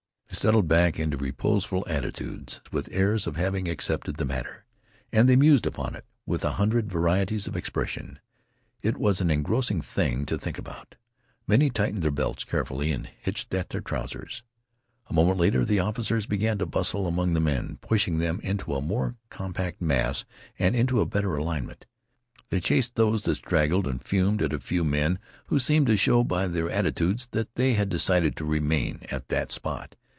They settled back into reposeful attitudes with airs of having accepted the matter. And they mused upon it, with a hundred varieties of expression. It was an engrossing thing to think about. Many tightened their belts carefully and hitched at their trousers. A moment later the officers began to bustle among the men, pushing them into a more compact mass and into a better alignment. They chased those that straggled and fumed at a few men who seemed to show by their attitudes that they had decided to remain at that spot.